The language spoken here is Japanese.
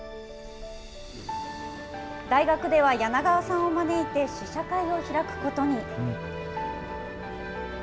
大学では柳川さんを招いて試写会を開くことに。